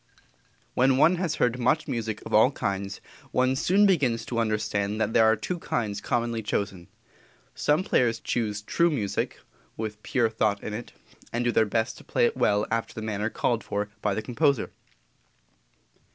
When one has heard much music of all kinds, one soon begins to understand that there are two kinds commonly chosen. Some players choose true music with pure thought in it, and do their best to play it well after the manner called for by the composer.